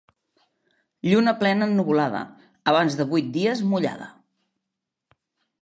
Lluna plena ennuvolada, abans de vuit dies mullada.